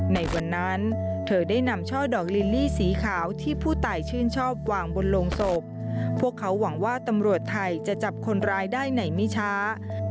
ในวันนั้นเธอได้นำช่อดอกลิลลี่สีขาวที่ผู้ตายชื่นชอบวางบนโลงศพพวกเขาหวังว่าตำรวจไทยจะจับคนร้ายได้ในไม่ช้า